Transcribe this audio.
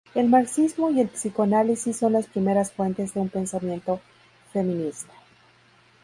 El Marxismo y el psicoanálisis son las principales fuentes de un pensamiento feminista.